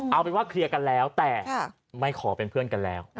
เอาเป็นว่าเคลียร์กันแล้วแต่ไม่ขอเป็นเพื่อนกันแล้ว